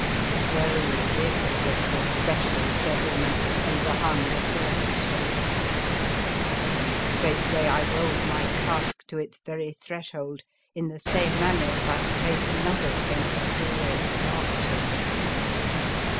So this was the special devilment that overhung the third chamber, and straightway I rolled my cask to its very threshold in the same manner as I had placed another against the doorway of the Dark Chamber.